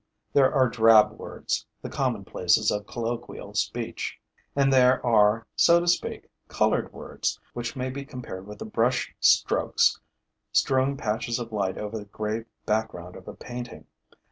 There are drab words, the commonplaces of colloquial speech; and there are, so to speak, colored words, which may be compared with the brushstrokes strewing patches of light over the gray background of a painting.